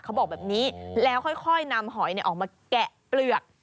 เขาบอกแบบนี้แล้วค่อยนำหอยออกมาแกะเปลือก